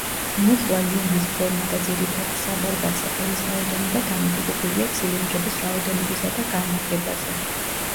მუხლა ლილვის ფორმა და ძირითადი საბარბაცე ყელის რაოდენობა დამოკიდებულია ცილინდრების რაოდენობისა და განლაგებაზე.